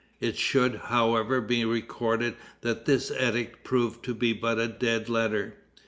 It should, however, be recorded that this edict proved to be but a dead letter.